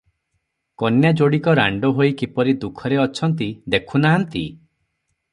କନ୍ୟା ଯୋଡ଼ିକ ରାଣ୍ଡ ହୋଇ କିପରି ଦୁଃଖରେ ଅଛନ୍ତି, ଦେଖୁ ନାହାନ୍ତି?